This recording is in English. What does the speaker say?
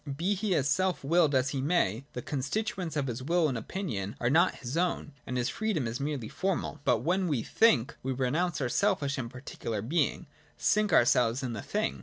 Be he as self willed as he may, the con stituents of his will and opinion are not his own, and his free dom is merely formal. But when we think, we renounce our selfish and particular being, sink ourselves in the thing,; VOL. II. E 50 PRELIMINARY NOTION.